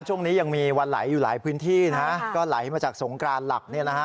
ช่วงนี้ยังมีวันไหลอยู่หลายพื้นที่นะก็ไหลมาจากสงกรานหลักเนี่ยนะฮะ